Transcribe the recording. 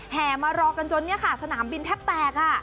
แห่มารอกันจนเนี่ยค่ะสนามบินแทบแตก